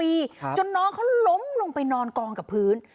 เหลืออายุ๑๔ปีจนน้องเขาล้มลงไปนอนกองกับพื้น